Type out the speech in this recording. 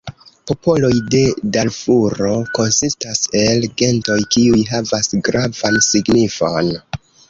Popoloj de Darfuro konsistas el gentoj, kiuj havas gravan signifon.